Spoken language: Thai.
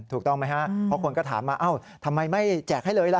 ถูกต้องไหมฮะเพราะคนก็ถามมาเอ้าทำไมไม่แจกให้เลยล่ะ